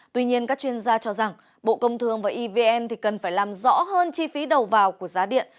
tuy nhiên các chuyên gia cho rằng bộ công thương và evn cần phải làm rõ hơn chi phí đầu vào của giá điện